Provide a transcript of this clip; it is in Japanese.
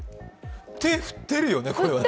手、振ってるよね、これは！？